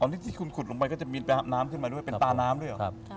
ตอนนี้ที่คุณขุดลงไปก็จะมีน้ำขึ้นมาด้วยเป็นตาน้ำด้วยเหรอ